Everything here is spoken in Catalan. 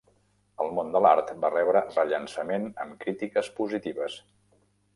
El món de l'art va rebre rellançament amb crítiques positives.